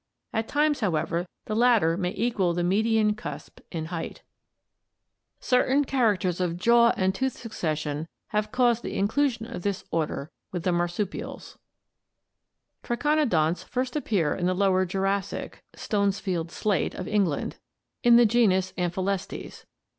At times, how ever, the latter may equal the median cusp in height. Certain ORIGIN OF MAMMALS AND ARCHAIC MAMMALS 545 characters of jaw and tooth succession have caused the inclusion of this order with the marsupials (Fig. 172). Triconodonts first appear in the Lower Jurassic (Stonesfield slate) of England, in the genus Amphiksles.